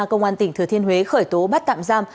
công an tỉnh thừa thiên huế khởi tố bắt tạm giam